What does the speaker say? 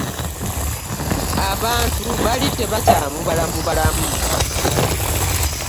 Abantu baali tebakyamubala mu balamu.